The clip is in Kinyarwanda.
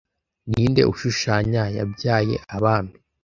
Ninde ushushanya yabyaye Abami